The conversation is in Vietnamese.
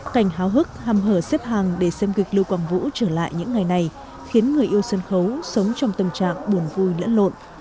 cảnh háo hức hàm hở xếp hàng để xem kịch lưu quang vũ trở lại những ngày này khiến người yêu sân khấu sống trong tâm trạng buồn vui lẫn lộn